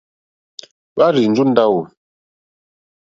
Hwá rzènjó ndáwù.